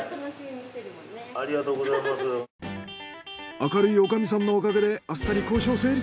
明るい女将さんのおかげであっさり交渉成立。